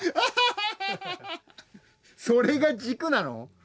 それが軸なの？